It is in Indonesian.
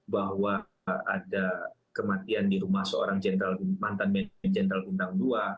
bahwa ada kematian di rumah seorang mantan jenderal bintang dua